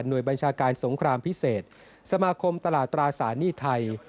โดยบัญชาการสงครามพิเศษสมาคมตลาดตราสารหนี้ไทย